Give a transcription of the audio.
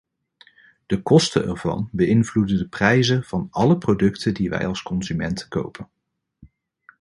De kosten ervan beïnvloeden de prijzen van alle producten die wij als consumenten kopen.